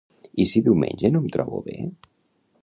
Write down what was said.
I si diumenge no em trobo bé?